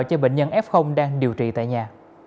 cho bệnh nhân f đang điều trị tại nhà